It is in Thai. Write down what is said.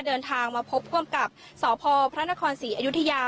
เดินทางมาพบผู้อำกับสพพระนครศรีอยุธยา